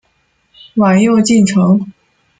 晚又进城。